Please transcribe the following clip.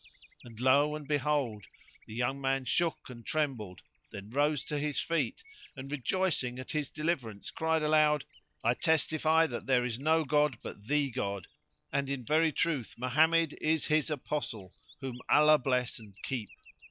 And lo and behold! the young man shook and trembled; then he rose to his feet and, rejoicing at his deliverance, cried aloud, "I testify that there is no god but the God, and in very truth Mohammed is His Apostle, whom Allah bless and keep!"